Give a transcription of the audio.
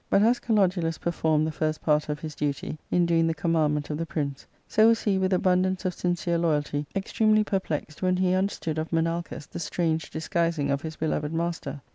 , But as Kalodulus per formed the first part of his duty in dQing the commandment of the prince, so was he with abundance of sincere loyalty extremely perplexed when he understood of Menalcas the strange disguising of his beloved master.